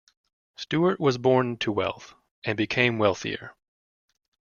Stuart was born to wealth, and became wealthier.